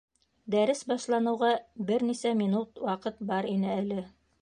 Дәрес башланыуға бер нисә минут ваҡыт бар ине әле.